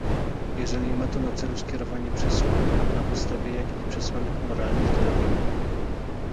Jeżeli ma to na celu skierowanie przesłania, na podstawie jakich przesłanek moralnych to robimy?